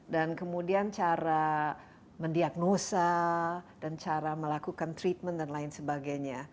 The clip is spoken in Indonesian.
dan kemudian cara mendiagnosa dan cara melakukan treatment dan lain sebagainya